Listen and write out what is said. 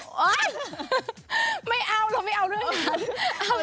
ไม่เอาเราไม่เอาเรื่องนั้น